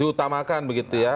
diutamakan begitu ya